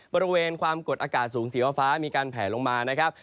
บริเวณความกดอากาศสูงสีฟ้ามีการแผลลงมานะครับ